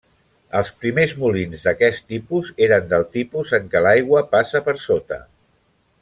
Els primers molins d'aquest tipus eren del tipus en què l'aigua passa per sota.